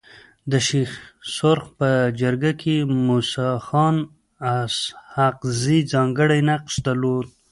د شيرسرخ په جرګه کي موسي خان اسحق زي ځانګړی نقش درلود.